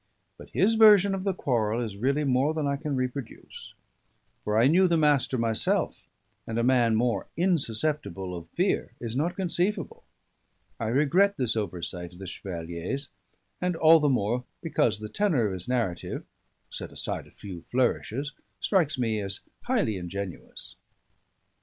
But his version of the quarrel is really more than I can reproduce; for I knew the Master myself, and a man more insusceptible of fear is not conceivable. I regret this oversight of the Chevalier's, and all the more because the tenor of his narrative (set aside a few flourishes) strikes me as highly ingenuous.